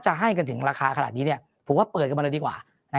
จะให้กันถึงราคาขนาดนี้เนี่ยผมว่าเปิดกันเลยดีกว่านะ